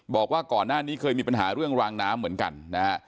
บอกว่าก่อนหน้านี้เคยมีปัญหาเรื่องรางน้ำเหมือนกันนะฮะ